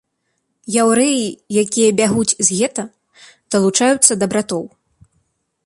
Яўрэі, якія бягуць з гета, далучаюцца да братоў.